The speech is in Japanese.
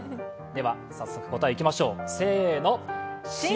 では、早速答えいきましょう。